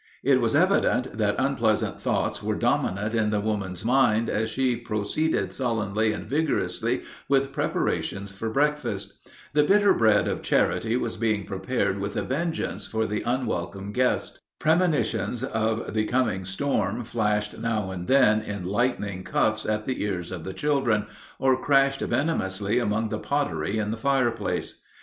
It was evident that unpleasant thoughts were dominant in the woman's mind as she proceeded sullenly and vigorously with preparations for breakfast. The bitter bread of charity was being prepared with a vengeance for the unwelcome guest. Premonitions of the coming storm flashed now and then in lightning cuffs on the ears of the children, or crashed venomously among the pottery in the fireplace.